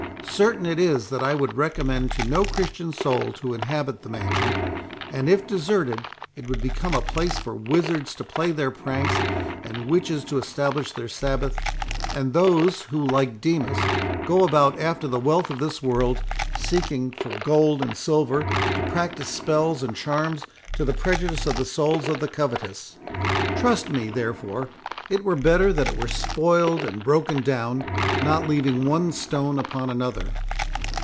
Certain it is, that I would recommend to no Christian soul to inhabit the mansion; and, if deserted, it would become a place for wizards to play their pranks, and witches to establish their Sabbath, and those who, like Demas, go about after the wealth of this world, seeking for gold and silver to practise spells and charms to the prejudice of the souls of the covetous. Trust me, therefore, it were better that it were spoiled and broken down, not leaving one stone upon another."